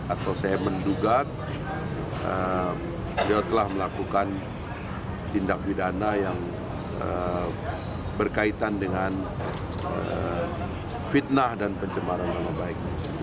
atau saya menduga dia telah melakukan tindak pidana yang berkaitan dengan fitnah dan pencemaran nama baik